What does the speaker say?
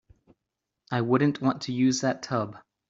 I wouldn't want to use that tub.